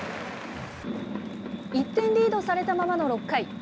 １点リードされたままの６回。